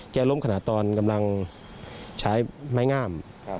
ล้มขณะตอนกำลังใช้ไม้งาม